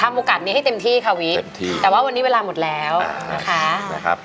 ทำโอกาสนี้ให้เต็มที่ค่ะวิแต่ว่าวันนี้เวลาหมดแล้ว